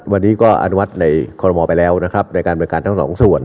วันนี้ก็อนุมัติในคอรมอลไปแล้วนะครับในการบริการทั้งสองส่วน